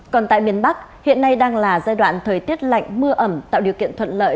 còn tại miền bắc hiện nay đang là giai đoạn thời tiết lạnh mưa ẩm tạo điều kiện thuận lợi